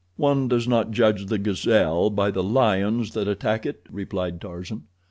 "One does not judge the gazelle by the lions that attack it," replied Tarzan.